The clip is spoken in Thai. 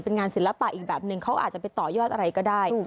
เป็นงานศิลปะอีกแบบนึงเขาอาจจะไปต่อยอดอะไรก็ได้